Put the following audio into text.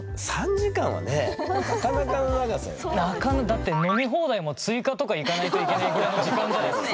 だって飲み放題も追加とかいかないといけないぐらいの時間じゃないですか。